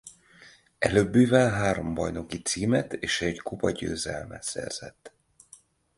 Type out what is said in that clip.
Előbbivel három bajnoki címet és egy kupagyőzelmet szerzett.